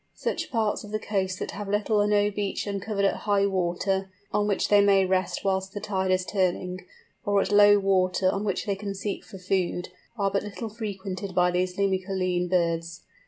Such parts of the coast that have little or no beach uncovered at high water, on which they may rest whilst the tide is turning, or at low water on which they can seek for food, are but little frequented by these Limicoline birds.